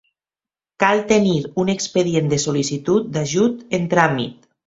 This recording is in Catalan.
Cal tenir un expedient de sol·licitud d'ajut en tràmit.